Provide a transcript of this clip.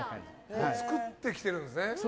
作ってきてるんですね。